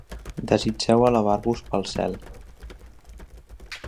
Desitgeu elevar-vos pel cel.